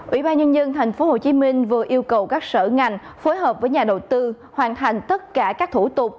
ủy ban nhân dân thành phố hồ chí minh vừa yêu cầu các sở ngành phối hợp với nhà đầu tư hoàn thành tất cả các thủ tục